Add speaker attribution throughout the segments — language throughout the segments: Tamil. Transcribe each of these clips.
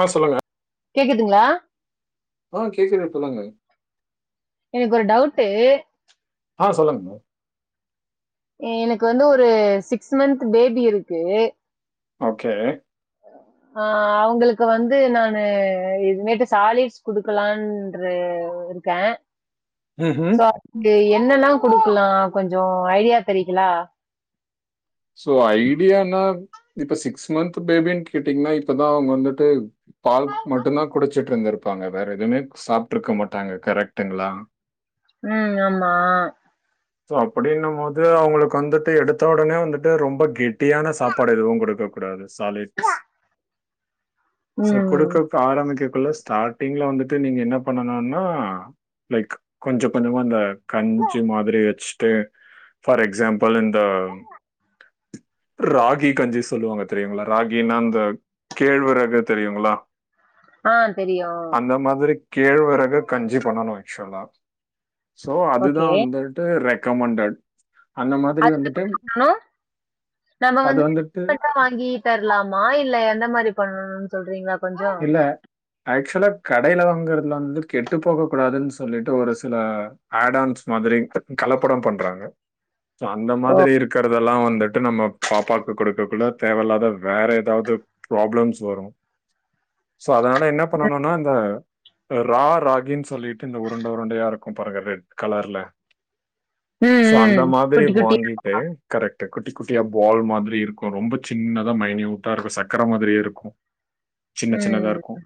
Speaker 1: ஆஹ் சொல்லுங்க
Speaker 2: கேக்குதுங்களா
Speaker 1: ஆஹ் கேக்குது சொல்லுங்க
Speaker 2: எனக்கு ஒரு டவுட்டு
Speaker 1: ஆ சொல்லுங்க ம
Speaker 2: எனக்கு வந்து ஒரு சிக்ஸ் மந்த் பேபி இருக்கு
Speaker 1: ஓகே
Speaker 2: ஆஹ் அவங்களுக்கு வந்து நானு இதுமேட்டு சாலிட்ஸ் குடுக்கலாம்று இருக்கேன்
Speaker 1: ம்ஹ்ம்.
Speaker 2: சோ அதுக்கு என் என்னல்லாம் குடுக்கலாம் கொஞ்சம் ஐடியா தரிங்கலா
Speaker 1: சோ ஐடியான இப்ப சிக்ஸ் மந்த் பேபீனு கேட்டீங்கன்னா இப்பதான் அவங்க வந்துட்டு பால் மட்டும்தான் குடிச்சுட்டு இருந்துரு இருப்பாங்க வேற எதுவுமே சாப்பிட்டுருக்க மாட்டாங்க கரெக்டுங்களா
Speaker 2: ம் ஆமா
Speaker 1: சோ அப்படின்னும் போது அவங்களுக்கு வந்துட்டு எடுத்த உடனே வந்துட்டு ரொம்ப கட்டி ட்டியான சாப்பாடு எதுவு கொடுக்க கூடாது சாலிட்ஸ் சோ
Speaker 2: ம்.
Speaker 1: குடுக்கக்கு ஆரம்பிக்கக்குள்ள ஸ்டார்ட்டிங்ல வந்துட்டு நீங்க என்ன பண்ணனுனா லைக் கொஞ்ச கொஞ்சமா அந்த கஞ்சி மாதிரி வச்சுட்டு ஃபார் எக்ஸாம்பள் இந்த
Speaker 2: [inaudible]
Speaker 1: ராகி கஞ்சி சொல்லுவாங்க தெரியுங்களா ராகின்னா இந்த கேழ்வரகு தெரியுங்களா
Speaker 2: ஆ தெரியும்.
Speaker 1: அந்த மாதிரி கேழ்வறகு கஞ்சி பண்ணணு ஆக்சுவலா சோ அதுதா
Speaker 2: ஓகே.
Speaker 1: வந்துட்டு ரெக்கமண்டட் அந்த மாதிரி வந்துட்டு
Speaker 2: அ நம்ம
Speaker 1: அது
Speaker 2: வந்து
Speaker 1: வந்துட்டு
Speaker 2: [inaudible] வாங்கி தரலாமா இல்ல எந்த மாரி பண்ணனுன் சொல்றீங்களா கொஞ்சம்?
Speaker 1: இல்ல ஆக் சுவலா கடைல வாங்குறததுல வந்து கெட்டு போக கூடாதுன் சொல்லிட்டு ஒரு சில ஆடான்ஸ் மாதிரி கலப்பட பண்றாங்க அந்த
Speaker 2: ஓ!
Speaker 1: மாதிரி இருக்கிறதெல்லா வந்துட் டு நம்ம பாப்பாக்கு கொடுக்கக்குள்ள தேவையில்லாத வேற ஏதாவது ப்ராப்ளம்ஸ் வரு சோ அதனால என்ன
Speaker 2: ம்.
Speaker 1: பண்ணணுனா இந்த ரா ராகின்னு சொல்லிட்டு இந்த உருண்ட உருண்டயா இருக்கு பாருங்க ரெட் கலர்ல
Speaker 2: ம்.
Speaker 1: சோ அந்த
Speaker 2: ம்.
Speaker 1: மாதிரி
Speaker 2: குட்டி குட்டியா.
Speaker 1: வாங்கிட்டு கரெக்ட் குட்டி குட்டியா பால் மாதிரி இரு கோ ரொம்ப சின்னதா மைனீயுட்டா இருக்கு சக்கர மாதிரியே இருக்கு
Speaker 2: ம்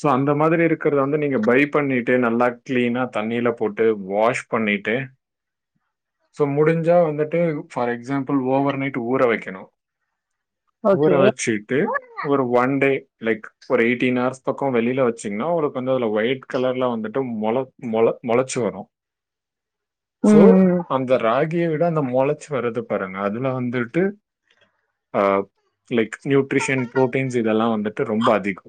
Speaker 1: ஸோ அந்த மாதிரி இருக்குறத வந்து நீங்க பை பண்ணிட்டு நல்லா கிளீனா தண்ணில போட்டு வாஷ் பண்ணிட்டு சோ முடிஞ்சா வந்துட்டு ஃபார் எக்ஸாம்பிள் ஓவர் நைட் ஊற வக்கணு ஊற
Speaker 2: ஓகே.
Speaker 1: வச்சுட்டு ஒரு ஒன்டே லைக் ஒரு எயிட்டீன் ஹார்ஸ் பக்கோ வெளில வெச்சீங்கனா உங்களுக்கு வந்து அதுல ஒயிட் கலர்ல வந்துட் டு மொள மொள மொளச்சு வரு
Speaker 2: ம்.
Speaker 1: சோ
Speaker 2: ம்.
Speaker 1: அந்த ராகிய வி ட அந்த மொளச்சு வருது பாருங்க அதுல வந்துட்டு ஆ லைக் நியூட்ரிஷன் புரோட்டீன்ஸ் இதெல்லா வந்துட்டு ரொம்ப அதிக்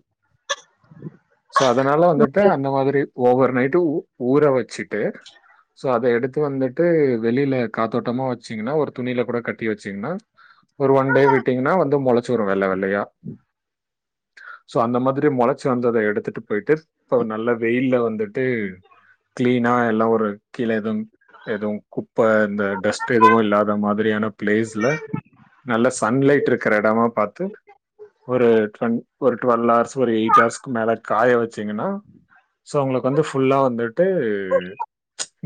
Speaker 1: சோ அதனால வந்துட்டு அந்த மாதிரி ஓவர் நைட்டு ஊ ஊற வச்சு டு சோ அத எடுத் து வந்துட்டு வெளில காத்தோட்டமா வச்சீங்கனா ஒரு துணில கூட கட்டி வச்சீங்கனா ஒரு ஒன் டே விட்டீங்கனா வந்து மொளச்சூரு வெள்ள வெள்ளயா சோ அந்த மாதிரி மொளச்சி வந்தத எடுத்துட்டு போயிட்டு இப்பவ் நல்ல வெயில்ல வந்துட் டு கிளீனா எல்லா ஒரு கீழே எதும் எதுவு குப்ப இந்த டஸ்ட் எதுவு இல்லாத மாதிரியான பிளேஸ்ல நல்ல சன்லைட் இருக்கிற எடமா பாத்து ஒரு டுவென் ஒரு டுவெல்வ் ஹார்ஸ் ஒரு எயிட் ஹார்ஸ்க்கு மேல காய வச்சீங்கனா சோ உங்களுக்கு வந்து ஃபுல்லா வந்துட்டு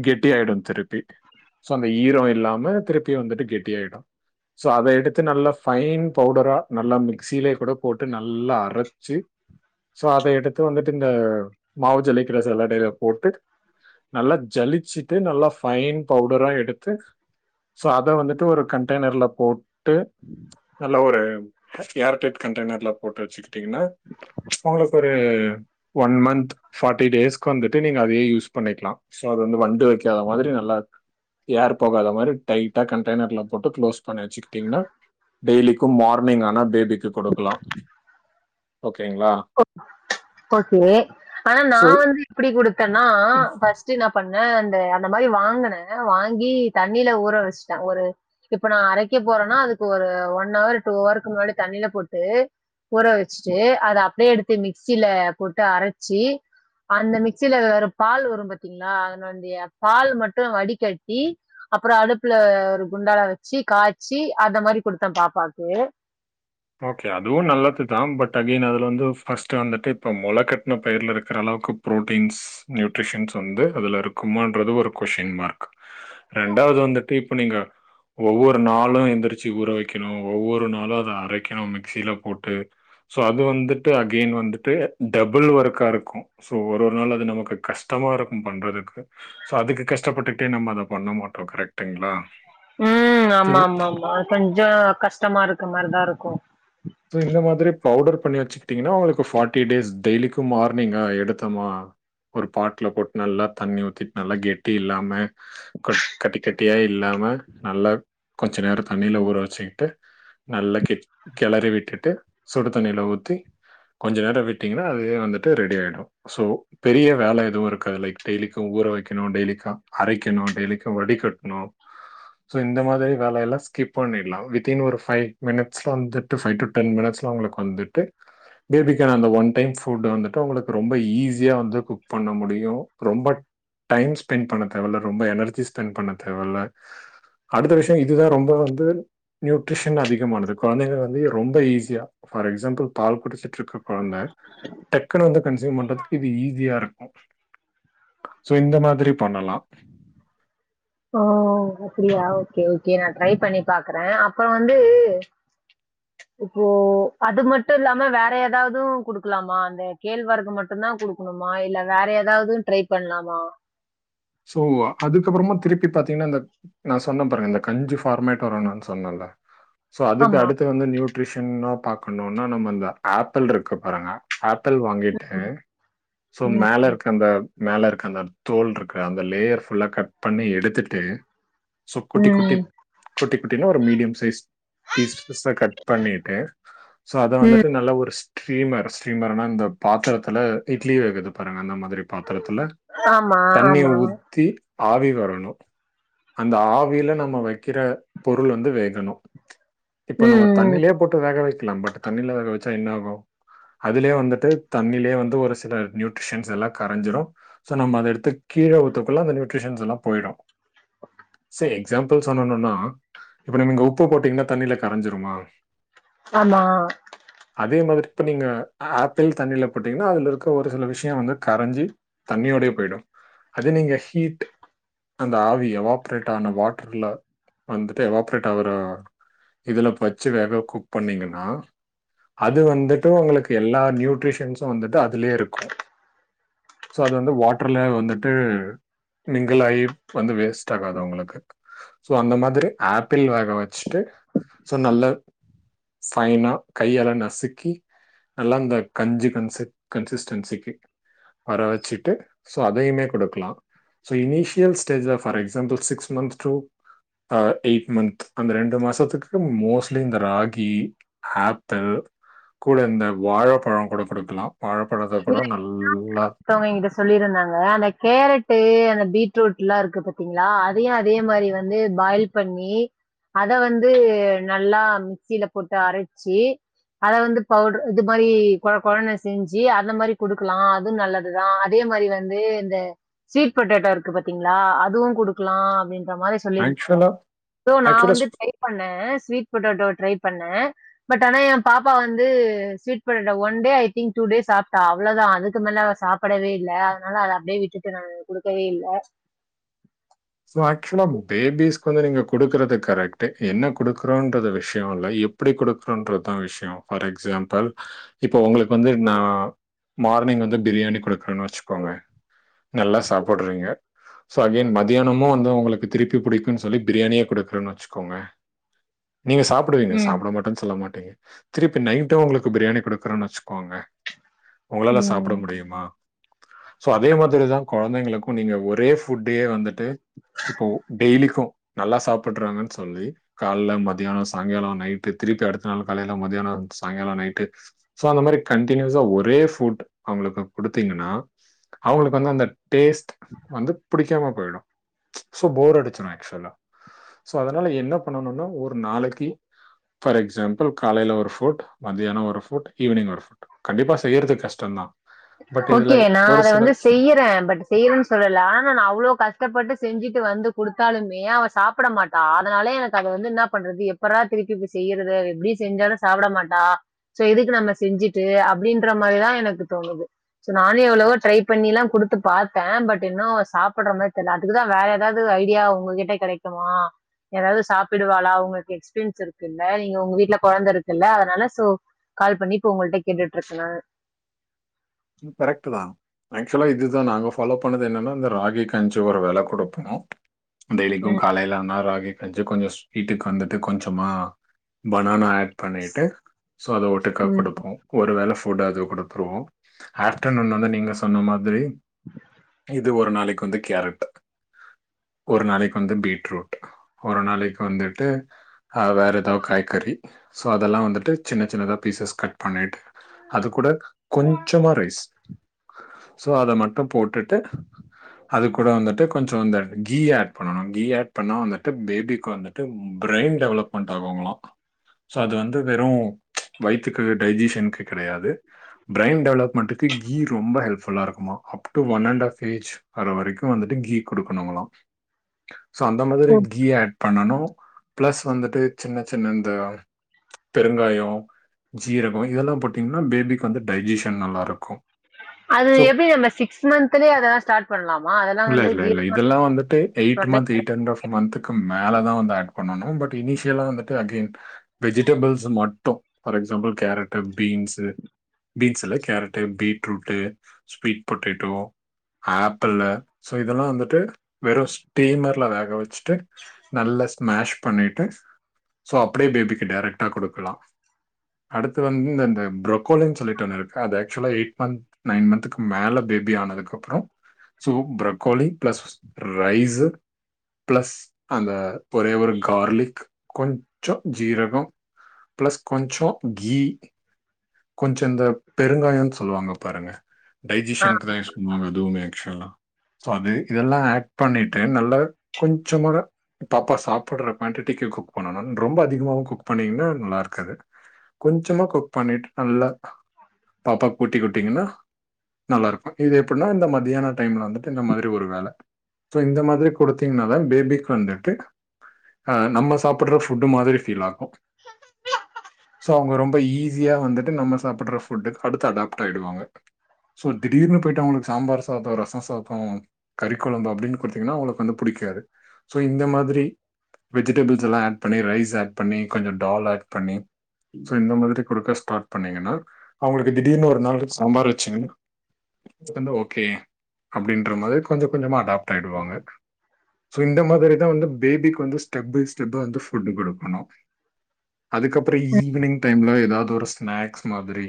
Speaker 1: கெட்டி ஆயிடு திருப்பி சோ அந்த ஈரோ இல்லாம திருப்பியு வந்துட்டு கெட்டியாயிடு சோ அத எடுத்து நல்ல ஃபைன் பவுடரா நல்ல மிக்சியிலேயே கூட போட் டு நல்லா அரச்சு சோ அத எடுத்து வந்துட்டு இந்த மாவு ஜலிக்கிர சல்லடைல போட்டு நல்லா ஜலிச்சுட்டு நல்லா ஃபைன் பவுடரா எடுத்து சோ அத வந்துட்டு ஒரு கண்ட்டெய்னர்ல போட்டு நல்ல ஒரு ஏர்டைட் க ண்ட்டெய்னர்ல போட்டு வச்சுக்கிட்டீங்கனா உங்களுக்கு ஒரு ஒன் மன்த் ஃபார்ட்டி டேஸ்கு வந்துட்டு நீங்க அதயே யூஸ் பண்ணிக்கலா சோ அது வந்து வண்டு வைக்காத மாதிரி நல்லா ஏர் போகாத மாரி டைட்டா கண்டெய்னர்ல போட்டு க்ளோஸ் பண்ணி வச்சுக்கிட்டீங்கனா டெய்லிக்கு மார்னிங் ஆனா பேபிக்கு குடுக்கலா ஓகேங்களா
Speaker 2: ஓகே ஆனா நா
Speaker 1: ஸோ
Speaker 2: வந் எப்டி குடுத்தேனா ஃபஸ்ட்டு என்ன பண் அ அந்த அந்த மாரி வாங்குனே வாங்கி தண்ணில ஊற வஸ்ட்டே ஒரு இப்ப நா அரைக்க போ போறனா அதுக்கு ஒரு ஒன்னவர் டூஅவருக்கு முன்னாடி தண்ணில போட்டு ஊற வச்சுட்டு அத அப்டியே எடுத்து மிக்சில போட்டு அரச்சு அந்த மிக்சில ஒரு பால் வரு பாத்தீங்களா அதனோடிய பால் மட்டு வடிகட்டி அப்றோ அடுப்புல ஒரு குண்டால வச்சு காய்ச்சி அந்த மாரி குடுத்தே பாப்பாக்கு
Speaker 1: ஓகே அதுவு நல்லது தா பட் அகென் அதுல வந்து பஸ்ட்டு வந்துட்டு இப்ப மொளகட்ன பயிர்ல இருக்கிறலா அளவுக்கு புரோட்டீன்ஸ் நியூட்ரிஷன்ஸ் வந்து அதுல இருக்குமான்றது ஒரு கொஸ்டின் மார்க் ரெ ரெண்டாவது வந்துட்டு இப்ப நீங்க ஒவ்வொரு நாளு எந்திரிச்சு ஊற வக்கணு ஒவ்வொரு நாளு அத அரைக் க்கணு மிக்சில போட்டு சோ அது வந்துட்டு அகென் வந்துட்டு டபுள் ஒர்க்கா இருக்கு சோ ஒரு ஒரு நாள் அது நமக்கு கஷ்டமா இருக்கு பண்றதுக்கு சோ அதுக்கு கஷ்டப்பட்டுக்கிட்டே நம்ம அத பண்ண மாட்டோ கரெக்
Speaker 2: ம் ஆமா ஆமா ஆமா கொஞ்சோ கஷ்டமா இருக்க மாரிதா இருக்கு
Speaker 1: சோ இந்த மாதிரி பவுடர் பண்ணி வச்சுகிட்டீங்கனா உங்களுக்கு பார்ட்டிடேஸ் டெய்லிக்கு மார்னிங்கா எடுத்தமா ஒரு பாட்டுல போட்டு நல்லா தண்ணி ஊத்திட்டு நல்லா கெட்டி இல்லாம க கட்டி கட்டியா இல்லாம மட் நல்லா கொஞ்ச நேரோ தண்ணில ஊற வச்சுக்கிட்டு நல்ல கெட் கெளறிவிட்டுட்டு சுடு தண்ணில ஊத்தி கொஞ்ச நேர விட்டீங்கன்னா அதுவே வந்துட்டு ரெடி ஆயிடு சோ பெரிய வேல எதுவு இருக்காது லைக் டெய்லிக்கும். ஊற வைக்கணு டெய்லி கா அரைக்கணு டெய்லிக்கு வடிகட்ணு சோ இந்த மாதிரி வேலையல்லா ஸ்கிப் பண்ணிடலா வித்தின் ஒரு பைவ் மினிட்ஸ்ல வந்து. பைவ் டு டென் மினிட்ஸ்ல அவங்களுக்கு வந்துட்டு. பேபிகான் அந்த ஒன் டைம் ஃபுட்டு வந்துட்டு உங்களுக்கு ரொம்ப ஈஸியா வந்து குக் பண்ண முடியு ரொம்ப. டைம் ஸ்பெண்பண்ண தேவல்ல ரொம்ப எனர்ஜி ஸ்பெண் பண்ண தேவல்ல. அடுத்த விஷயோ இதுதா ரொம்ப வந்து நியூட்ரிஷன் அதிகமானது குழந்தைங்க. இதயே ரொம்ப ஈஸியா பார் எக்ஸாம்பிள் பால் குடிச்சிட்டு ட்ருக்கு குழந்த டக்குனு வந்து கன்சியூம் பண்றதுக்கு இது ஈஸியா இருக்கு. சோ இந்த மாதிரி பண்ணலா
Speaker 2: ஓ அப்படியா ஓகே ஓகே நா ட்ரை பண்ணி பாக்குறே அப்றோ வந்து. இப்போ அது மட்டு இல்லாம வேற ஏதாவது குடுக்கலாமா அந்த கேழ்வரகுமட்டுதா. இதா குடுக்கணுமா இல்ல வேற ஏதாவது ட்ரை பண்லாமா?
Speaker 1: சோ அதுக்கப்புறமா திருப்பி பாத்தீங்கன்னா இந்த நா சொன்ன பாருங்க இந்த கஞ்சி பார்மேட் வரனுன்னு சொன்னன்ல. சோ அதுக்கு
Speaker 2: ஆமா.
Speaker 1: அடுத்து வந்து நியூட்ரிஷன்னா பாக்கணும்னா நம்ம இந்த ஆப்பிள்ருக்கு பாருங்க ஆப்பிள் வாங்கிட்டு சோ
Speaker 2: ம்,
Speaker 1: மேல இருக்க அந்த மேல இருக்க அந்த தோல் இருக் க அந்த லேயர் புல்லா கட் பண்ணி எடுத்துட்டு. சோ குட்டி குட்டி
Speaker 2: ம்,
Speaker 1: குட்டி குட்டினு ஒரு medium size piece pizza cut பண்ணிட்டு சோ அத
Speaker 2: ம்.
Speaker 1: வந்துட்டு நல்ல ஒரு சீமர் சீம்மர்ணா இந்த பாத்திரத்துல இட்லி வேகுது பாருங்க அந்த மாதிரி இட்லி பாத்திரத்துல
Speaker 2: ஆமா,
Speaker 1: தண்ணி
Speaker 2: ஆமா.
Speaker 1: ஊத்தி ஆவி வரணு அந்த ஆவில நம்ம வைக்கிற பொருள் வந்து வேகணு இப்ப நம்ம
Speaker 2: ம்,
Speaker 1: தண்ணிலே போட்டு வேக வைக்கலா பட் தண்ணில வேக வச்சா என்ன ஆகும்? அதுலே வந்துட்டு தண்ணிலேயே வந்து ஒரு சில நியூட்ரிஷன்ஸ்ல்லா கரைஞ்சிடு சோ நம்ம அத எடுத்து. கீழ ஊத்துக்குல்ல அந்த நியூட்ரிஷன்ஸ் எல்லாம் போயிடு சே எக்ஸாம்பிள் சொன்னனும்னா இப்ப நீங்க உப்பு போட்டீங்கன்னா தண்ணில கரைஞ்சிருமா?
Speaker 2: ஆமா.
Speaker 1: இப்போ நீங்க ஆப்பிள் தண்ணில போட்டீங்கன்னா அதில இருக்க ஒரு சில விஷயம் வந்து கரைஞ்சி தண்ணியோடயே போய்டும். அது நீங்க ஹீட். அந்த ஆவி எவாப்ரேட் ஆன வாட்ருல வந்துட்டு எவாப்ரேட் ஆவுற இதுல பச்சு வேக குக் பண்ணீங்கன்னா. அது வந்துட்டு உங்களுக்கு எல்லா நியூட்ரிஷன்சு வந்துட்டு அதுலே இருக்கு சோ அது வந்து வாட்ருல வந்துட்டு. மிங்கிலாயி வந்து வேஸ்ட் ஆகாது அவங்களுக்கு சோ அந்த மாதிரி ஆப்பிள் வேக வச்சுட்டு சோ நல்ல சைனா கையால்ல நசுக்கி. நல்லா இந்த கஞ்சு கன்-கன்சிஸ்டன்சிக்கு வர வச்சுட்டு சோ அதேவ்மே கொடுக்கலா so initial stage for example six month to uh eight month அந்த ரெண்டு மாசத்துக்கு மோஸ்ட்லி இந்த ராகி ஆப்பிள் கூட இந்த வாழைப்பழம். கூட குடுக்கலா வாழைப்பழத்தை கூட நல்லா
Speaker 2: ஒருத்தவங்க என்கிட்ட சொல்லியிருந்தாங்க. அந்த கேரட்டு அந்த பீட்ரூட்ல்லா இருக்கு பாத்தீங்களா அதையு அதே மாதிரி வந்து பாயில் பண்ணி அத வந்து நல்லா மிக்சில போட்டு அரைச்சு. அத வந்து பவுட்ர் இது மாரி. கொழ கொழன்னு செஞ்சு அந்த மாரி குடுக்கலா அதுவு நல்லதுதா அதே மாரி வந்து இந்த. ஸ்வீட் பொட்டேட்டோ இருக்கு பத்தீங்களா அதுவு குடுக்கலா அப்டின்னு. இந்த மாரி சொல்லிருந்த
Speaker 1: ஆக்சுவலா
Speaker 2: சோ நா
Speaker 1: ஆக்சுவலா
Speaker 2: வந்து ட்ரை பண்ணே ஸ்வீட் பொட்டோட்டோ ட்ரை பண்ணே பட் ஆனா என் பாப்பா வந்து ஸ்வீட் போட்டெ இந்த one day I think two day சாப்ட்டா அவ்ளோதா அதுக்கு மேல அவ சாப்டவே இல்ல அதனால அத அப்படியே விட்டு நானு. கொடுக்கவே இல்ல.
Speaker 1: ஆக்சுவலா பேபிஸ் வந்து நீங்க கொடுக்கறது கரெக்ட் என்ன கொடுக்குறோன்ற விஷய இல்ல எப்டி கொடுக்கறன்றதுதா விஷய ஃபார் எக்ஸாம்பிள் இப்ப உங்களுக்கு வந்து ந மார்னிங் வந்து பிரியாணி கொடுக்குறேன்னு வச்சுக்கோங்க நல்லா சாப்டுறீங்க சோ அகேன் ம மத்தியாணமு வந்து உங்களுக்கு திருப்பி புடிக்குன்னு சொல்லி பிரியாணியே கொடுக்குறேன்னு வச்சுக்கோங்க நீங்க சாப்டுவீங்க
Speaker 2: ம்,
Speaker 1: சாப்ட மாட்டன்னு சொல்ல மாட்டீங்க திருப்பி நைட்டு உங்களுக்கு பிரியாணி கொடுக்குறோன்னு வச்சுக்கோங்க உங்களால சாப்ட
Speaker 2: ம்.
Speaker 1: முடியுமா சோ அதே மாதிரிதான் குழந்தைங்களுக்கும் நீங்க ஒரேஃபுட்டயே வந்துட்டு இப்போ டெய்லிக்கு நல்லா சாப்படுறாங்கன்னு சொல்லி கால மத்தியான சாயங்கால நைட்டு திருப்பி அடுத்த நாள் காலைல மத்தியானம் சாயங்காலம் நைட்டு சோ அந்த மாதிரி கண்டினீவஸ்ஸா ஒரே புட் அவங்களுக்கு கொடுத்தீங்கன்னா அவங்களுக்கு வந்து அந்த டேஸ்ட் வந்து புடிக்காம போயிடு சோ போர் அடிச்சுரு ஆக்சுவலா சோ அதனால என்ன பண்ணனும்னா ஒரு நாளைக்கு ஃபார் எக்ஸாம்பிள் காலையில ஒரு ஃபுட் மத்தியானம் ஒரு ஃபுட் ஈவினிங் ஒரு ஃபுட் கண்டிப்பா செய்யறது கஷ்ட தா
Speaker 2: ஓகே நா அத வந்து செய்யறே பட் செய்றேன்னு சொல்லல ஆனா நான் அவ்ளோ கஷ்டப்பட்டு செஞ்சுட்டு வந்து கொடுத்தாலுமே அவன் சாப்ட மாட்டா அதனாலே எனக்கு அத வந்து என்ன பண்றது எப்பரா திருப்பி செய்யரத எப்டி செஞ்சாலு சாப்ட மாட்டா சோ எதுக்கு நம்ம செஞ்சுட்டு அப்படின்ற மாரிதா எனக்கு தோணுது சோ நானே எவ்ளவோ ட்ரை பண்ணி எல்லா கொடுத்து பாத்தே பட் இன்னு சாப்ட்ற மாரி தெரியல அதுக்குதா வேற எதாவது து ஐடியா உங்க கிட்ட கடைக்குமா எதாவது சாப்பிடுவாளா உங்களுக்கு எக்ஸ்பீரியன்ஸ் இருக்குல்ல நீங்க உங்க வீட்ல குழந்தை இருக்குல்ல அதனால சோ கால் பண்ணி இப்ப உங்ககிட்ட கேட்டுட்டு இருக்க நானு
Speaker 1: ம் கரெக்ட் தா ஆக்சுவலா இதுதா நாங்க ஃபாலோ பண்ணது என்னன்னா இந்த ராகி கஞ்சி ஒரு வேல கொடுப்போ டெய்லிக்கு
Speaker 2: ம்.
Speaker 1: காலைல ஆன ராகி கொஞ்ச ஸ்வீட்டுக்கு வந்துட்டு கொஞ்சமா பனானா ஆ பண்ணிட்டு ஸோ அதை ஓட்டுக்கா
Speaker 2: ம்.
Speaker 1: கொடுப்போ ஒரு வேல ஃபுட் அது கொடுத்துருவோ ஆப்டர்நூன் வந்து நீங்க சொன்ன மாதிரி
Speaker 2: [inaudible]
Speaker 1: இது ஒரு நாளைக்கு வந்து கேரட் ஒரு நாளைக்கு வந்து பீட்ரூட் ஒரு நாளைக்கு வந்துட்டு ஆ வேற ஏதாவது காய்கறி சோ அதெல்லா வந்துட்டு சின்ன சின்னதா பீசஸ் கட் பண்ணிட்டு அது கூட கொஞ்சமா ரைஸ் சோ அத மட்டு போட்டுட்டு அது கூட வந்துட்டு கொஞ்சோ கீ ஆட் பண்ணணு கீ ஆட் பண்ணா வந்துட்டு பேபிக்கு வந்துட்டு பிர பிரெயின் டெவலப்மெண்ட் ஆகுங்ளா சோ அது வந்து வெறு வயித்துக்கு டைஜிசனுக்கு கெடையாது பிரைன் டெவலப்மெண்டக்கு கீ ரொம்ப ஹெல்ப்ஃபுல்லா இருக்குமா up to one and half age ஆகுற வரைக்கு வந்துட்டு கீ கொடு கணுங்கலா
Speaker 2: [inaudible]
Speaker 1: சோ அந்த மாதிரி கீ ஆட் பண்ணணு பிளஸ் வந்துட்டு சின்ன சின்ன இந்த பெருங்காயோ ஜீரகோ இதெல்லாம் போட்டீங்கன்னா பேபிக்கு வந்து டைஜிஷன் நல்லா இருக் கோ
Speaker 2: அது எப்டி நம்ம சிக்ஸ் மந்த்துலயே அதெல்லா ஸ்டார்ட் பண்ணலாமா அதெல்லா
Speaker 1: இல்ல,
Speaker 2: வந்து
Speaker 1: இல்ல, இல்ல.
Speaker 2: ஜீர்ணோ
Speaker 1: இதெல்லாம் வந்துட்டு
Speaker 2: பண்
Speaker 1: month eight and half half மந்த்துகும் மேல தா வந்து ஆட் பண்ணனு பட் இனிஷியலா வந்துட்டு அகென் வெஜிடேபிள்ஸ் மட்டு for example carrot beans beans இல்ல carrot beetroot sweet potato apple so இதெல்லா வந்துட்டு வெறு ஸ்டீமர்ல வேக வச்சு ட்டு நல்ல மேஷ் பண்ணிட்டு சோ அப்டியே பேபிக்கு டைரக்ட்டா குடுக்கலா அடுத்து வந்து இந்த இந்த புரொக்கோலினு சொல்லிட்டு ஒன்னு இருக்கு க அது ஆக்சுவலா எயிட் மந்த் நைன் மந்த்துக்கு மேல பேபி ஆனதுக்கு அப்றோ soup broccoli plus rice plus அந்த ஒரே ஒரு கார்லிக் கொஞ்சோ ஜீரகோ பிளஸ் கொஞ்சோ கீ கொஞ்சோ இந்த பெருங்காயோனு சொல்லுவாங்க பாருங்க
Speaker 2: ஆ.
Speaker 1: டைஜிஷனுக்கு தா யூஸ் பண்ணுவாங்க அதுவுமே ஆக்சுவலா சோ அது இதெல்லா ஆட் பண்ணிட்டு நல்லா கொஞ்சமாக பாப்பா சாப்புட்ற குவான்டிட்டிக்கு குக் பண்ணணும் ரொம்ப அதிகமாவூ குக் பண்ணீங்கன்னா நல்லா இருக்காது கொஞ்சமா குக் பண்ணிட்டு நல்ல பாப்பாக்கு கூட்டிகுடுத்திங்கன்னா நல்லா இருக்கு இது எப்டின்னா இந்த மத்தியான டைம்ல வந்துட்டு இந்த மாதிரி ஒரு வேல சோ இந்த மாதிரி குடுத்தீங்கனாதா பேபிக்கு வந்துட்டு ஆ நம்ம சாப்புட்ற ஃபுட்டு மாதிரி ஃபீல் ஆகு சோ அவுங்க ரொம்ப ஈஸியா வந்துட்டு நம்ம சாப்புட்ற ஃபுட்டுக்கு அடுத்து அடாப்ட் ஆயிடுவாங்க சோ திடீர்னு போயிட்டு அவங்களுக்கு சாம்பார் சாதோ ரசோ சாதோ கறி கொழம்பு அப்டின்னு குடுத்தீங்கன்னா அவுங்களுக்கு வந்து புடிக் காது சோ இந்த மாதிரி வெஜிடெபிள்ஸ் எல்லா ஆட் பண்ணி ரைஸ் ஆட் பண்ணி கொஞ்சோ டால் ஆட் பண்ணி சோ இந்த மாதிரி குடுக்க ஸ்டார்ட் பண்ணீங்கன்னா அவுங்களுக்கு திடீர்னு ஒரு நாள் சாம்பார் வச்சீங்கான்ன இப்ப வந்து ஓகே அப்டின்ற மாரி கொஞ்ச கொஞ்சமா அடாப்ட் ஆயிடுவாங்க சோ இந்த மாதிரிதா வந்து பேபிக்கு வந்து ஸ்டெப் பை ஸ்டெப்பா வந்து ஃபுட் குடுக்கணு அதுக்கப்புறோ ஈவினிங் டைம்ல ஏதாவது ஒரு ஸ்நாக்ஸ் மாதிரி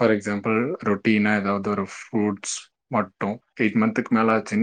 Speaker 1: பார் எக்ஸாம்பிள் ரொட்டீனா ஏதாவது ஒரு ஃப்ரூட்ஸ் மட்டு எயிட் மந்துக்கு மேல ஆச்சுனா